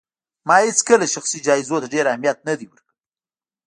ما هيڅکله شخصي جايزو ته ډېر اهمیت نه دی ورکړی